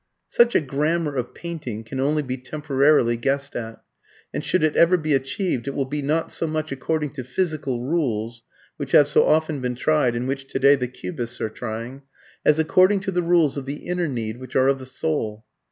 ] Such a grammar of painting can only be temporarily guessed at, and should it ever be achieved, it will be not so much according to physical rules (which have so often been tried and which today the Cubists are trying) as according to the rules of the inner need, which are of the soul.